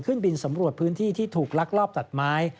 ขึ้นบินสำรวจพื้นที่ที่ถูกลักลอบตัดไม้